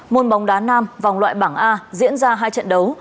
môn bóng đá nam vòng loại bảng a diễn ra hai trận đấu